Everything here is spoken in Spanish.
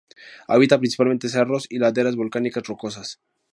Habita principalmente cerros y laderas volcánicas rocosas.